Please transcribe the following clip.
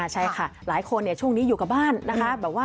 ใช่ค่ะหลายคนช่วงนี้อยู่กับบ้านนะคะ